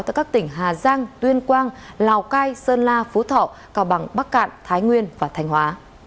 tại các tỉnh hà giang tuyên quang lào cai sơn la phú thọ cao bằng bắc cạn thái nguyên và thanh hóa